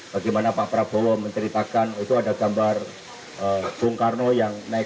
bagaimana pak prabowo menceritakan itu ada gambar bung karno yang naik